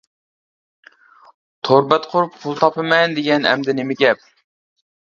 تور بەت قۇرۇپ پۇل تاپىمەن دېگەن ئەمدى نېمە گەپ.